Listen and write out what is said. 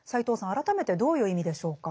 改めてどういう意味でしょうか。